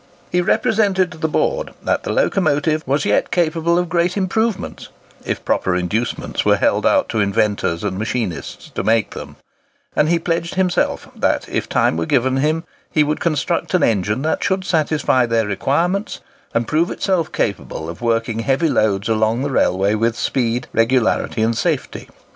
He represented to the Board that the locomotive was yet capable of great improvements, if proper inducements were held out to inventors and machinists to make them; and he pledged himself that, if time were given him, he would construct an engine that should satisfy their requirements, and prove itself capable of working heavy loads along the railway with speed, regularity and safety.